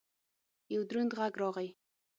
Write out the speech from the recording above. یو دروند غږ راغی!